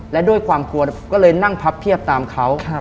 และด้วยความกลัวก็เลยนั่งพับเทียบตามเขา